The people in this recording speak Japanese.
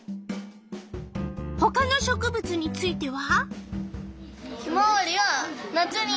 ほかの植物については？